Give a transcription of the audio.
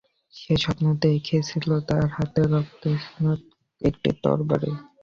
সে স্বপ্ন দেখেছিল, তার হাতে রক্তস্নাত একটি তরবারি।